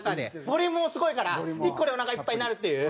ボリュームもすごいから１個でおなかいっぱいになるっていう。